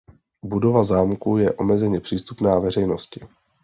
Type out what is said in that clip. Budova zámku je omezeně přístupná veřejnosti.